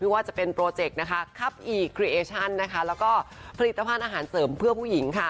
ว่าจะเป็นโปรเจกต์คับอีเครเอชั่นแล้วก็ผลิตภาพอาหารเสริมเพื่อผู้หญิง